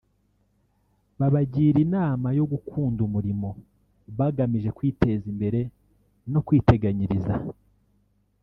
babagira inama yo gukunda umurimo bagamije kwiteza imbere no kwiteganyiriza